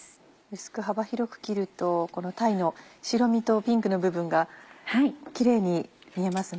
薄く幅広く切ると鯛の白身とピンクの部分がキレイに見えますね。